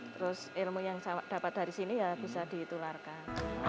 terus ilmu yang saya dapat dari sini ya bisa ditularkan